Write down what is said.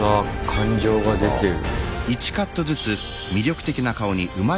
感情が出てる。